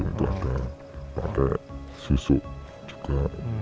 itu agak pakai susuk juga